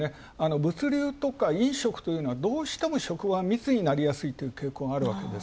物流とか飲食というのは、どうしても職場が密になりやすいという傾向があるわけです。